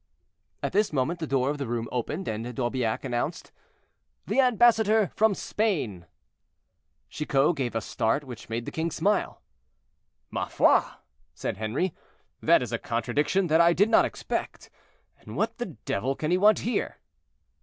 At this moment the door of the room opened, and D'Aubiac announced, "The ambassador from Spain." Chicot gave a start which made the king smile. "Ma foi!" said Henri, "that is a contradiction that I did not expect. And what the devil can he want here?"